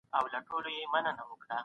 د برس پاک ساتل د روغتیا ساتنې برخه ده.